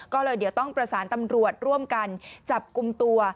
ก็เลยเดี๋ยวต้องประสานตำรวจร่วมกันจับกลุ่มตัว